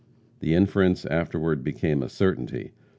The inference afterward became a certainty.